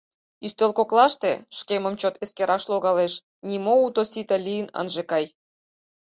Ӱстел коклаште шкемым чот эскераш логалеш, нима уто-сите лийын ынже кай.